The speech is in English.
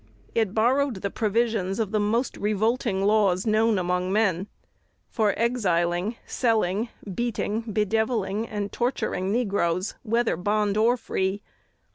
It borrowed the provisions of the most revolting laws known among men, for exiling, selling, beating, bedevilling, and torturing negroes, whether bond or free.